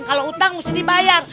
kalau utang mesti dibayar